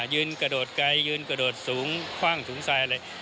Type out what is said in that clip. ยืนกระโดดไกลยืนกระโดดสูงคว่างสูงทรายอะไร